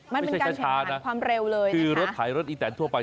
มันเป็นการแข่งขันความเร็วเลยนะคะไม่ใช่ช้าคือรถขายรถอีแตนทั่วไป